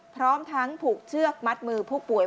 พร้อมทั้งผูกเชือกมัดมือผู้ป่วย